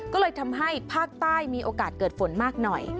ก็เลยทำให้ภาคใต้มีโอกาสเกิดฝนมากหน่อย